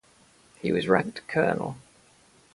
He was ranked colonel.